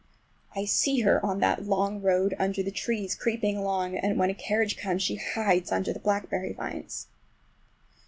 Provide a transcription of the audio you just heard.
I see her on that long road under the trees, creeping along, and when a carriage comes she hides under the blackberry vines.